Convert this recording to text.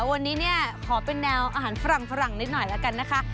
วันนี้เนี่ยขอเป็นแนวอาหารฝรั่งนิดหน่อยแล้วกันนะคะ